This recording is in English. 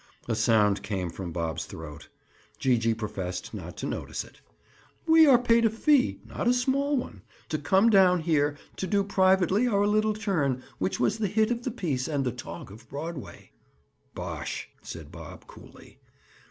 A sound came from Bob's throat. Gee gee professed not to notice it. "We are paid a fee—not a small one—to come down here, to do privately our little turn which was the hit of the piece and the talk of Broadway." "Bosh!" said Bob coolly.